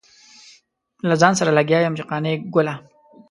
له ځان سره لګيا يم چې قانع ګله.